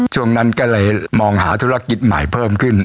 ช่วงนั้นก็เลยมองหาธุรกิจใหม่เพิ่มขึ้น